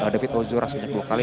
david ozora sebanyak dua kali